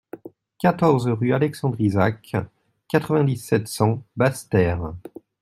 quatorze rue Alexandre Isaac, quatre-vingt-dix-sept, cent, Basse-Terre